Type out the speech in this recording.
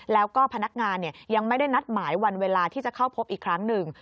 แล้วก็พนักงานยังไม่ได้นัดหมายวันเวลาที่จะเข้าพบอีกครั้งหนึ่ง